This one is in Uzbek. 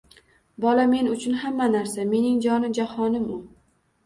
Bola men uchun hamma narsa, mening jonu jahonim u.